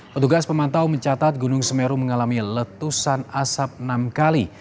petugas pemantau mencatat gunung semeru mengalami letusan asap enam kali